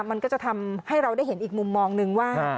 มันก็จะทำให้เราได้เห็นอีกมุมมองนึงว่า